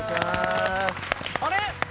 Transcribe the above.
あれ？